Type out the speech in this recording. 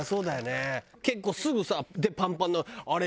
結構すぐさパンパンになるあれ